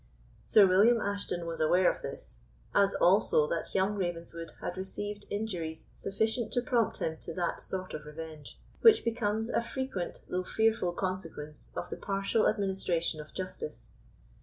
Sir William Ashton was aware of this; as also that young Ravenswood had received injuries sufficient to prompt him to that sort of revenge, which becomes a frequent though fearful consequence of the partial administration of justice.